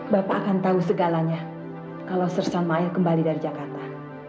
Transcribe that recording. bapak akan tahu segalanya kalau sersanmail kembali dari jakarta